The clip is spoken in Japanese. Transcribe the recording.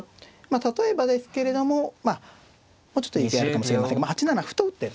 例えばですけれどももうちょっといい手あるかもしれませんが８七歩と打ってですね